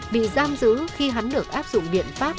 bị giam giữ khi hắn được áp dụng biện pháp